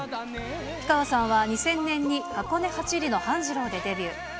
氷川さんは２０００年に箱根八里の半次郎でデビュー。